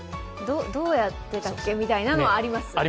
どうやってたっけみたいなものはあります。